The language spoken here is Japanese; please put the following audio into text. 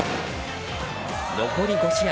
残り５試合。